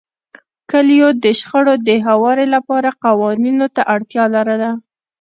کلیو د شخړو د هواري لپاره قوانینو ته اړتیا لرله.